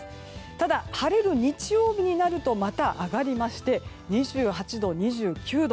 ただ、晴れる日曜日になるとまた上がりまして２８度、２９度。